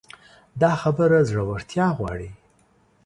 دا خبره زړورتيا غواړي.